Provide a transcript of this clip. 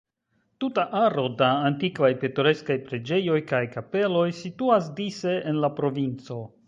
Tuta aro da antikvaj, pitoreskaj preĝejoj kaj kapeloj situas dise en la provinco.